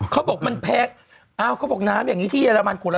เขาบอกมันแพงอ้าวเขาบอกน้ำอย่างนี้ที่เรมันขวดละ